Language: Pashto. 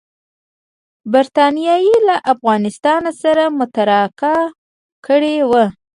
برټانیې له افغانستان سره متارکه کړې وه.